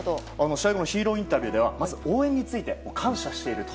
試合後のヒーローインタビューではまず、応援について感謝していると。